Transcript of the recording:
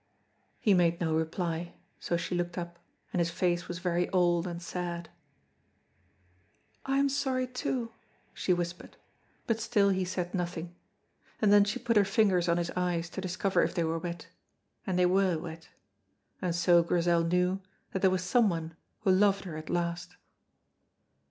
He made no reply, so she looked up, and his face was very old and sad. "I am sorry too," she whispered, but still he said nothing, and then she put her fingers on his eyes to discover if they were wet, and they were wet. And so Grizel knew that there was someone who loved her at last.